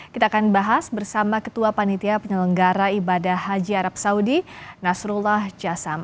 kita akan bahas bersama ketua panitia penyelenggara ibadah haji arab saudi nasrullah jasam